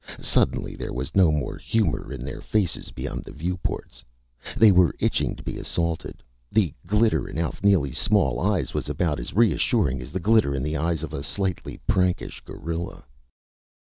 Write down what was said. Suddenly there was no more humor in their faces beyond the view ports. They were itching to be assaulted. The glitter in Alf Neely's small eyes was about as reassuring as the glitter in the eyes of a slightly prankish gorilla.